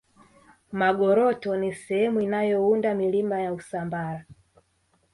magoroto ni sehemu inayounda milima ya usambara